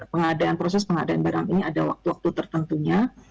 pengadaan proses pengadaan barang ini ada waktu waktu tertentunya